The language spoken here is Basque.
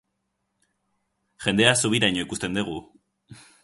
Jendea zubiraino ikusten degu.